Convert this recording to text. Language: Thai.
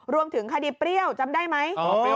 รวมถึงคดีเปรี้ยวจำได้ไหม